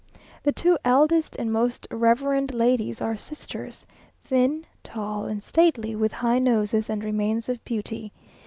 The two eldest and most reverend ladies are sisters, thin, tall, and stately, with high noses, and remains of beauty.